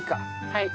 はい。